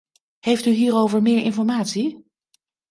Heeft u hierover meer informatie?